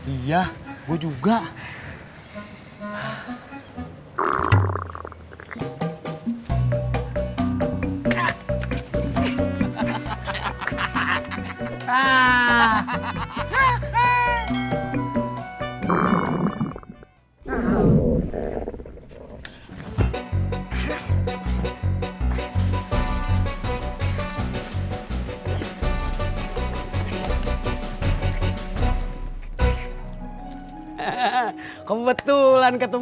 iya gue juga